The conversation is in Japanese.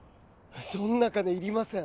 そんな金いりません。